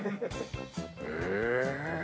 へえ！